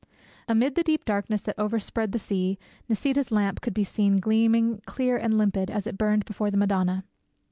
Amid the deep darkness that overspread the sea Nisida's lamp could be seen gleaming clear and limpid, as it burned before the Madonna.